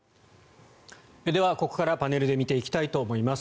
では、ここからパネルで見ていきたいと思います。